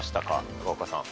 中岡さん。